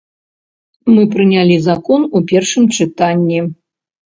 Мы прынялі закон у першым чытанні.